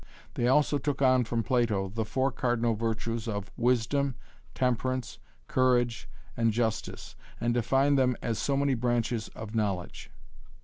They also took on from Plato the four cardinal virtues of Wisdom, Temperance, Courage, and Justice, and defined them as so many branches of knowledge.